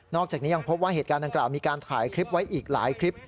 อกจากนี้ยังพบว่าเหตุการณ์ดังกล่าวมีการถ่ายคลิปไว้อีกหลายคลิป